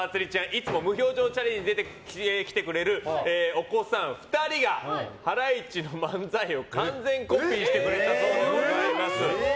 いつも無表情チャレンジに出てきてくれているお子さん２人がハライチの漫才を完全コピーしてくれたそうです。